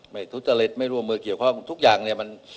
ทุจริตไม่ร่วมมือเกี่ยวข้องทุกอย่างเนี่ย